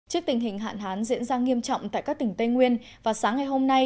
trước tình hình hạn hán diễn ra nghiêm trọng tại các tỉnh tây nguyên và sáng ngày hôm nay